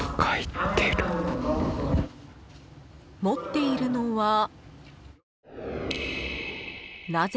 ［持っているのはなぜか］